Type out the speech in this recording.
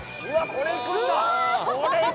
これいくんだ？